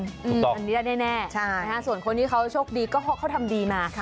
อันนี้แน่ส่วนคนที่เขาโชคดีก็เขาทำดีมา